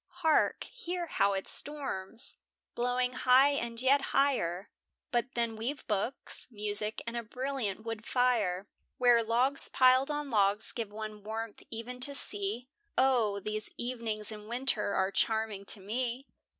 Hark, hear how it storms! blowing high and yet higher; But then we've books, music, and a brilliant wood fire, Where logs piled on logs give one warmth e'en to see; Oh! these evenings in winter are charming to me.